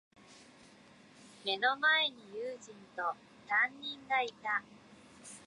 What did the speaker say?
目の前に友人と、担任がいた。